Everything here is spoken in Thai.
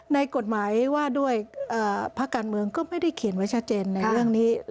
ในกฎหมายว่าด้วยภาคการเมืองก็ไม่ได้เขียนไว้ชัดเจนในเรื่องนี้